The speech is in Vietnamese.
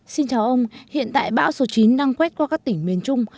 xin chào ông hiện tại bão số chín đang quét qua các tỉnh miền trung